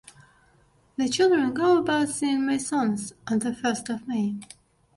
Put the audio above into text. The children go about singing May songs on the first of may.